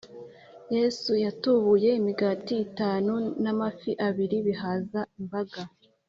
yesu yatubuye imigati itanu na amafi abiri bihaza imbaga